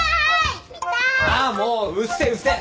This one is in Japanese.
ああもううっせえうっせえ。